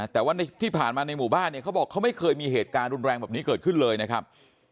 แต่ว่าที่ผ่านมาในหมู่บ้านเนี่ยเขาบอกเขาไม่เคยมีเหตุการณ์รุนแรงแบบนี้เกิดขึ้นเลยนะครับ